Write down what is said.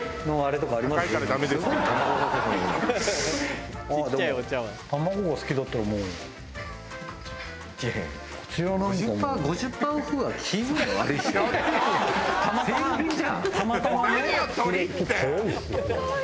たまたまね？